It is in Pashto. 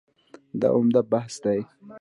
دا عمده بحث دی.